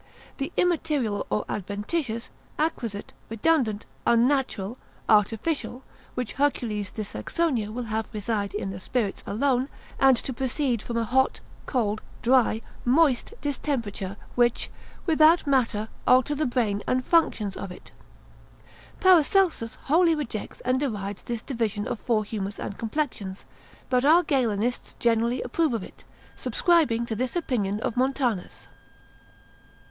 The immaterial or adventitious, acquisite, redundant, unnatural, artificial; which Hercules de Saxonia will have reside in the spirits alone, and to proceed from a hot, cold, dry, moist distemperature, which, without matter, alter the brain and functions of it. Paracelsus wholly rejects and derides this division of four humours and complexions, but our Galenists generally approve of it, subscribing to this opinion of Montanus.